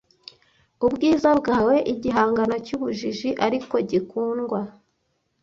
ubwiza bwawe igihangano cyubujiji ariko gikundwa